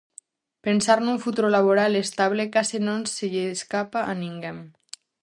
Pensar nun futuro laboral estable case non se lle escapa a ninguén.